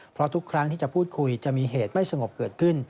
เพราะทุกครั้งที่จะพูดคุยจะมีเหตุไม่สงบเกิดขึ้น